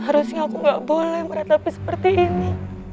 harusnya aku nggak boleh meratapi seperti ini